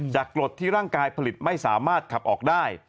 กรดที่ร่างกายผลิตไม่สามารถขับออกได้